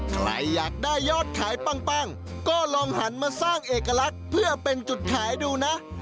ใครอยากได้ยอดขายปั้งก็ลองหันมาสร้างเอกลักษณ์เพื่อเป็นจุดขายดูนะ